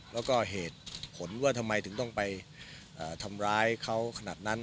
แล้วก็เหตุผลว่าทำไมถึงต้องไปทำร้ายเขาขนาดนั้น